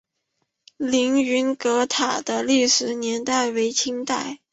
凌云阁塔的历史年代为清代。